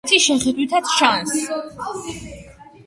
ერთი შეხედვითაც ჩანს.